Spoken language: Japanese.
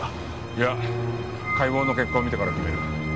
いや解剖の結果を見てから決める。